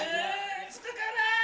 付くかな？